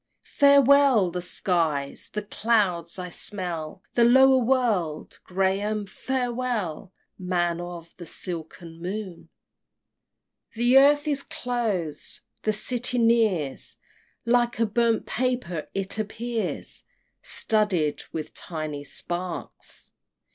Farewell the skies! the clouds! I smell The lower world! Graham, farewell, Man of the silken moon! XXXVI. The earth is close! the City nears Like a burnt paper it appears, Studded with tiny sparks!